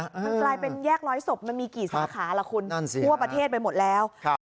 มันกลายเป็นแยกร้อยศพมันมีกี่สาขาล่ะคุณทั่วประเทศไปหมดแล้ว